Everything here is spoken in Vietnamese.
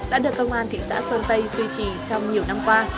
đã được công an thị xã sơn tây duy trì trong nhiều năm qua